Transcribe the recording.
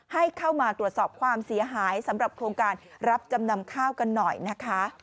ให้เข้ามาตรวจสอบความเสียหายสำหรับโครงการรับจำนำข้าวกันหน่อยนะคะ